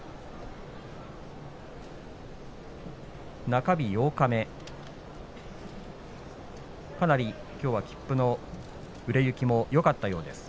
中日、八日目かなりきょうは切符の売れ行きもよかったようです。